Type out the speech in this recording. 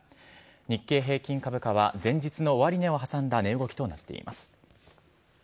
日経平均株価は前日の終値を挟んだ値動きとなっています。